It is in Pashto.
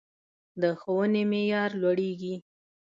د ښوونې معیار لوړیږي